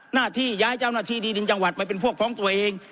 หน้าที่ย้ายเจ้าหน้าที่ดีดินจังหวัดไปเป็นพวกพ้องตัวเอง